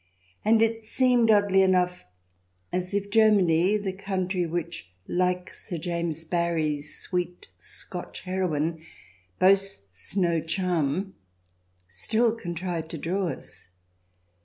And it seemed, oddly enough, as if Germany, the country which, like Sir James Barrie's sweet Scotch heroine, boasts " no charm," still contrived to draw us.